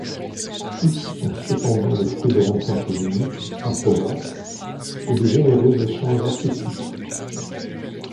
Tous sont cependant le fruit de rencontres uniques, improbables, et de généreux échanges artistiques.